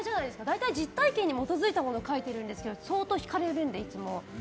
大体、実体験に基づいたものを書いてるんですけど相当引かれるので、いつも。